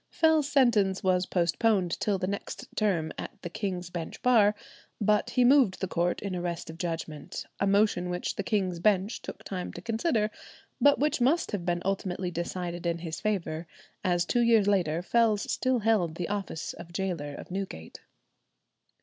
Fell's sentence was postponed till the next term at the King's Bench Bar; but he moved the court in arrest of judgment, a motion which the King's Bench took time to consider, but which must have been ultimately decided in his favour, as two years later Fells still held the office of gaoler of Newgate.